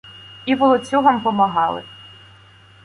І волоцюгам помагали